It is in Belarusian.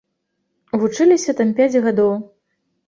Вучыліся там пяць гадоў.